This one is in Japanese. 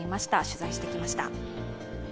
取材してきました。